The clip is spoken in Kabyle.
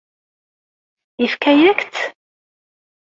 Yefka-yak-tt?